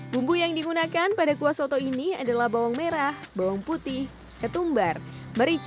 bumbu yang digunakan pada kuah soto ini adalah bawang merah bawang putih ketumbar merica